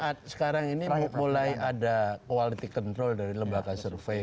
saat sekarang ini mulai ada quality control dari lembaga survei